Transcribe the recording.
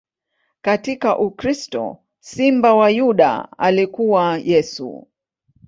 Katika ukristo, Simba wa Yuda alikuwa Yesu.